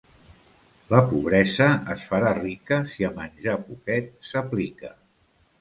La pobresa es farà rica si a menjar poquet s'aplica.